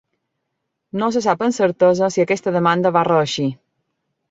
No se sap amb certesa si aquesta demanda va reeixir.